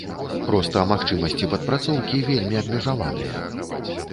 Проста магчымасці падпрацоўкі вельмі абмежаваныя.